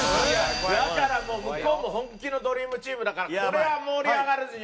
だからもう向こうも本気のドリームチームだからこれは盛り上がらずにはいられない。